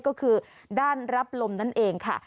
ก็คือด้านรับลมนั่นเองค่ะ